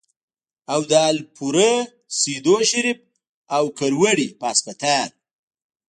او د الپورۍ ، سېدو شريف ، او کروړې پۀ هسپتال